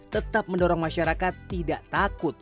tetap mendorong masyarakat tidak takut